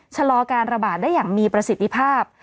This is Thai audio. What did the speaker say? ชะลอการระบาดได้อย่างมีประสิทธิภาพ